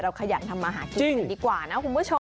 เราขยันทำมาหาคิดหนึ่งดีกว่านะคุณผู้ชม